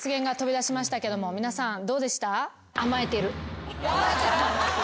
皆さんどうでした？